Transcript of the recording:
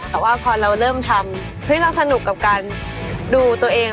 แต่ว่าพอเราเริ่มทำเราสนุกกับการดูตัวเอง